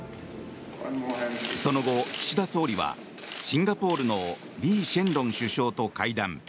その後、岸田総理はシンガポールのリー・シェンロン首相と会談。